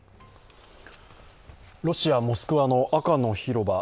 ロシア・モスクワの赤の広場。